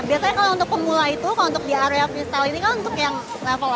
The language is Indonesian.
biasanya kalau untuk pemula itu kalau untuk di area freestyle ini kan untuk yang level empat